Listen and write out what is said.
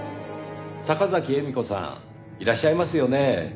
坂崎絵美子さんいらっしゃいますよね？